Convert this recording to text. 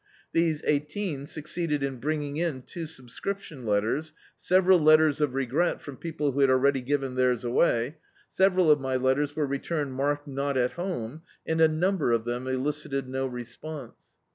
These eighteen succeeded in brining in two subscription letters, several letters of regret from people who had already given theirs away; several of my letters were returned marked "not at home," and a number of them elicited no respcmse.